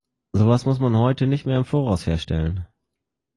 So etwas muss man heute nicht mehr im Voraus herstellen.